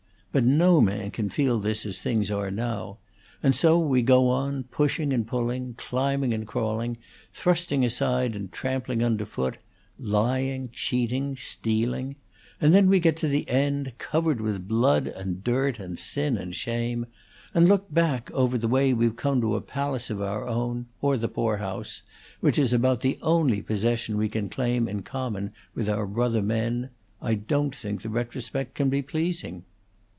But no man can feel this as things are now; and so we go on, pushing and pulling, climbing and crawling, thrusting aside and trampling underfoot; lying, cheating, stealing; and then we get to the end, covered with blood and dirt and sin and shame, and look back over the way we've come to a palace of our own, or the poor house, which is about the only possession we can claim in common with our brother men, I don't think the retrospect can be pleasing."